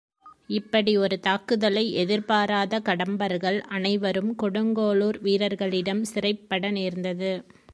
இப்படி ஒரு தாக்குதலை எதிர்பாராத கடம்பர்கள் அனைவரும் கொடுங்கோளுர் வீரர்களிடம் சிறைப்பட நேர்ந்தது.